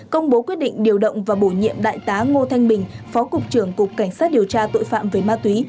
công bố quyết định điều động và bổ nhiệm đại tá ngô thanh bình phó cục trưởng cục cảnh sát điều tra tội phạm về ma túy